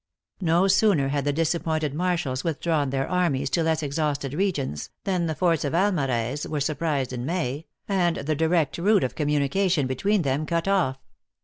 No sooner had the disappointed Marshals withdrawn their armies to less exhausted regions, than the forts of Almarez were surprised in May, and the direct route of communication between THE ACTRESS IN HIGH LIFE. 17 them cut off.